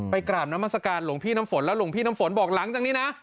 กราบนามัศกาลหลวงพี่น้ำฝนแล้วหลวงพี่น้ำฝนบอกหลังจากนี้นะ